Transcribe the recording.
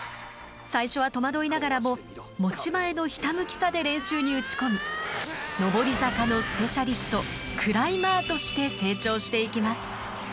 最初は戸惑いながらも持ち前のひたむきさで練習に打ち込み上り坂のスペシャリスト「クライマー」として成長していきます。